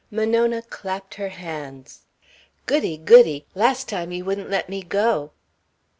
Monona clapped her hands. "Goody! goody! Last time you wouldn't let me go."